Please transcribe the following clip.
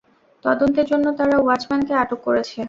তদন্তের জন্য তারা ওয়াচ-ম্যানকে আটক করেছে।